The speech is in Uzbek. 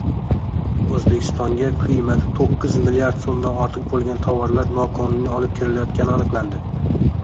O‘zbekistonga qiymatito´qqizmlrd so‘mdan ortiq bo‘lgan tovarlar noqonuniy olib kirilayotgani aniqlandi